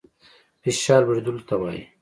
فشار لوړېدلو ته وايي.